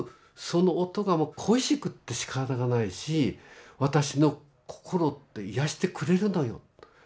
その音がもう恋しくってしかたがないし私の心を癒やしてくれるのよ」と。